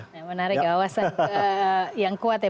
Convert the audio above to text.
menarik ya wawasan yang kuat ya